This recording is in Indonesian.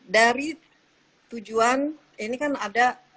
dari tujuan ini kan ada